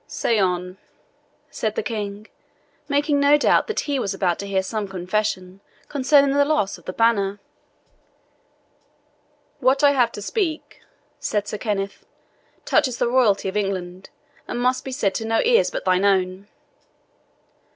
"Say on," said the King, making no doubt that he was about to hear some confession concerning the loss of the Banner. "What I have to speak," said Sir Kenneth, "touches the royalty of England, and must be said to no ears but thine own."